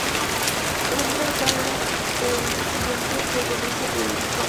La familia de Karl era disidente y de tendencia puritana.